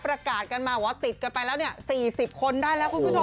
ประกาศกันมาว่าติดกันไปแล้ว๔๐คนได้แล้วคุณผู้ชม